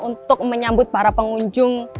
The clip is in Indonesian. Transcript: untuk menyambut para pengunjung